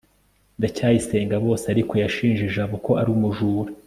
ndacyayisenga bose ariko yashinje jabo ko ari umujura